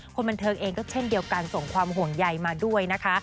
คนบันเทิงเองก็เช่นเดียวกันส่งความห่วงใยมาด้วยนะคะ